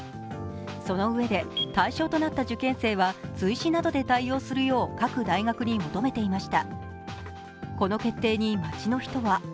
そのうえで対象となった受験生は追試などで対応するよう各大学に求めていました。